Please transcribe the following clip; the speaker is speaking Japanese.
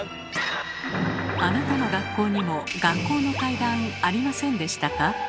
あなたの学校にも学校の怪談ありませんでしたか？